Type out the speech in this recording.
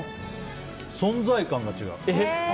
存在感が違う。